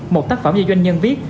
một tác phẩm do doanh nhân viết